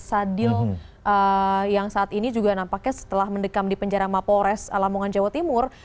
sadil yang saat ini juga nampaknya setelah mendekam di penjara mapores lamongan jawa timur